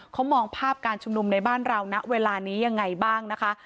เขามองภาพการชุมนุมในบ้านเราณเวลานี้ยังไงบ้างนะคะ